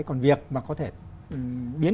còn việc mà có thể biến